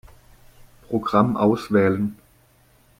Programm auswählen.